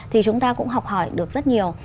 thì chúng ta cũng học hỏi được rất nhiều